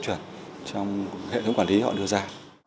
chuẩn trong hệ thống quản lý họ đưa ra